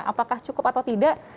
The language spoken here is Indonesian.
apakah cukup atau tidak